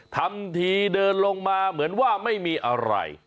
ทำทีเดินลงมาเหมือนว่าไม่มีอะไร